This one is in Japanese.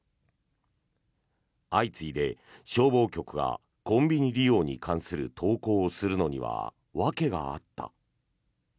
相次いで消防局がコンビニ利用に関する投稿をするのには訳があった。